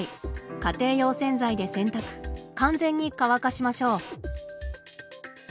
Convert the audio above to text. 家庭用洗剤で洗濯完全に乾かしましょう。